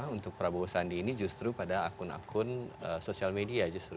untuk prabowo sandi ini justru pada akun akun sosial media justru